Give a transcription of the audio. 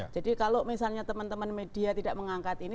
jadi kalau misalnya teman teman media tidak mengangkat ini